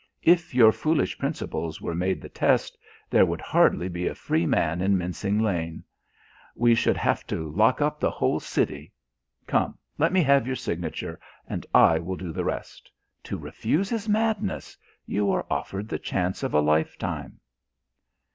If your foolish principles were made the test, there would hardly be a free man in Mincing Lane. We should have to lock up the whole City. Come, let me have your signature, and I will do the rest. To refuse is madness. You are offered the chance of a lifetime."